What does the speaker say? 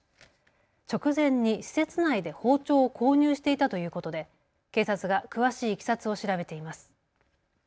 直前に施設内で包丁を購入していたということで警察が詳しいいきさつを調べています。